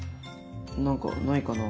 何かないかな？